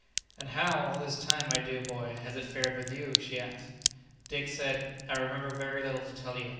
"And how, all this time, my dear boy, has it fared with you?" she asked. Dick said, "I remember very little to tell you.